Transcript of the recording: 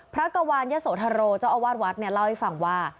พระกวาลยสโธโรเจ้าอาวาสวัสดิ์เล่าให้ฟังว่า